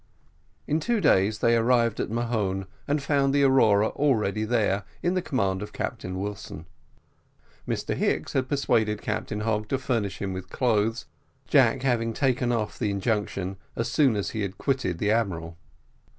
In two days they arrived at Mahon, and found the Aurora already there, in the command of Captain Wilson. Mr Hicks had persuaded Captain Hogg to furnish him with clothes, Jack having taken off the injunction as soon as he had quitted the admiral.